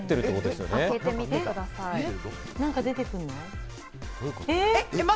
何か出てくんの？